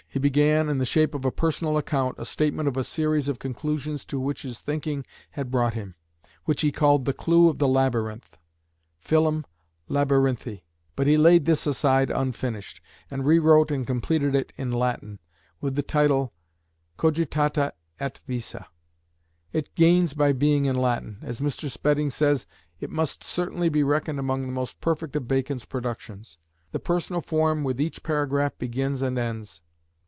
He began, in the shape of a personal account, a statement of a series of conclusions to which his thinking had brought him, which he called the "Clue of the Labyrinth," Filum Labyrinthi. But he laid this aside unfinished, and rewrote and completed it in Latin, with the title Cogitata et Visa. It gains by being in Latin; as Mr. Spedding says, "it must certainly be reckoned among the most perfect of Bacon's productions." The personal form with each paragraph begins and ends.